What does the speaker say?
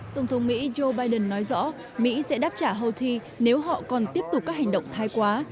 tổng thống mỹ joe biden nói rõ mỹ sẽ đáp trả houthi nếu họ còn tiếp tục các hành động thái quá